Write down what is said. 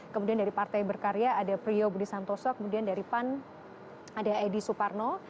kemudian dari partai berkarya ada priyo budi santoso kemudian dari pan ada edi suparno